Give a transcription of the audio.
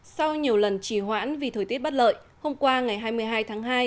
sau nhiều lần trì hoãn vì thời tiết bất lợi hôm qua ngày hai mươi hai tháng hai